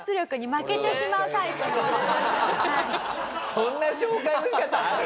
そんな紹介の仕方ある？